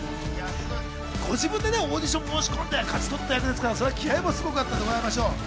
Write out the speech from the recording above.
ご自分でオーディション申し込んで勝ち取った役ですから、気合いもすごかったんでございましょう。